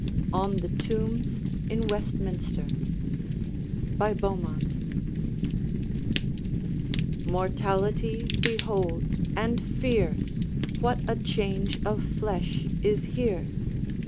ON THE TOMBS IN WESTMINSTER BY BEAUMONT Mortality, behold, and fear! What a change of flesh is here!